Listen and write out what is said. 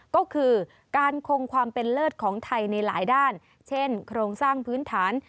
ก็คือการคงความเป็นเลิศของไทยในหลายด้านเช่นโครงสร้างพื้นฐาน